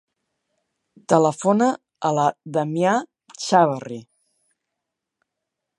Telefona a la Damià Chavarri.